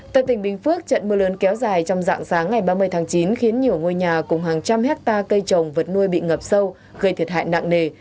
tại tỉnh bình phước trận mưa lớn kéo dài trong dạng sáng ngày ba mươi tháng chín khiến nhiều ngôi nhà cùng hàng trăm hectare cây trồng vật nuôi bị ngập sâu gây thiệt hại nặng nề